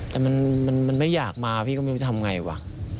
แต่มันไม่อยากมาพี่ก็ไม่รู้จะทำไงว่ะ